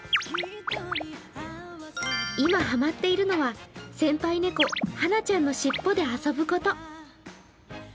今、ハマっているのは、先輩猫、はなちゃんの尻尾で遊ぶこと。